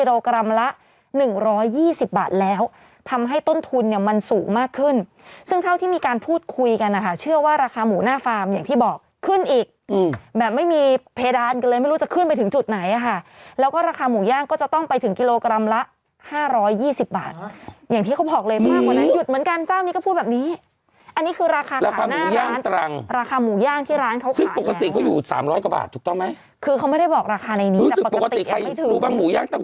แล้วเสียงดังสนั่นวันไหวในช่อง๓